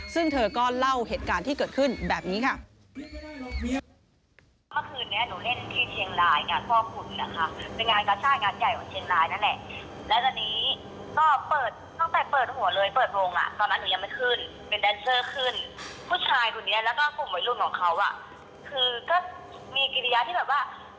ซึ่งเธอก็เล่าเหตุการณ์ที่เกิดขึ้นแบบนี้ค่ะ